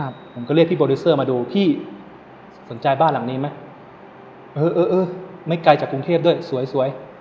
ผมก็เรียกพี่โปรดิวเซอร์มาดูพี่สนใจบ้านหลังนี้ไหมเออเออไม่ไกลจากกรุงเทพด้วยสวยสวย